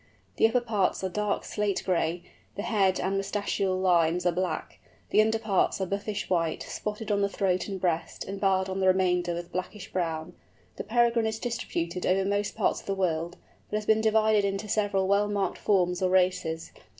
The upper parts are dark slate gray, the head and moustachial lines are black, the underparts are buffish white, spotted on the throat and breast, and barred on the remainder with blackish brown. The Peregrine is distributed over most parts of the world, but has been divided into several well marked forms or races.